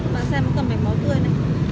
bạn xem nó có mảnh máu tươi này